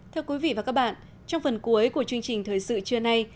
thưa quý vị và các bạn trong phần cuối của chương trình thời sự trưa nay